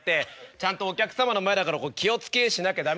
ちゃんとお客様の前だから気を付けしなきゃ駄目。